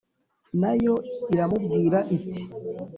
Na yo iramubwira iti